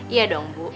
iya dong bu